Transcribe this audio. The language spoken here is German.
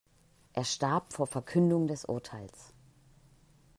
Er starb vor Verkündung des Urteils.